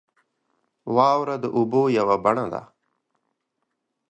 • واوره د اوبو یوه بڼه ده.